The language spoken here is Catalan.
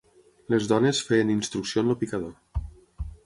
Les dones feien instrucció en el picador